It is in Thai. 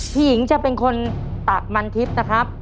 หญิงจะเป็นคนตักมันทิพย์นะครับ